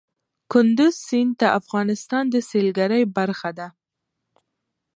کندز سیند د افغانستان د سیلګرۍ برخه ده.